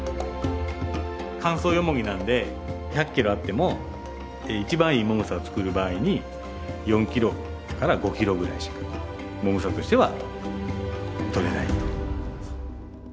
乾燥ヨモギなんで１００ｋｇあっても一番いいもぐさを作る場合に４ｋｇから５ｋｇぐらいしかもぐさとしては取れないと。